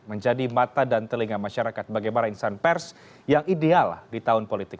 menjadi mata dan telinga masyarakat bagi para insan pers yang ideal di tahun politik